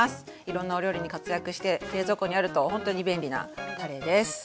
いろんなお料理に活躍して冷蔵庫にあるとほんとに便利なたれです。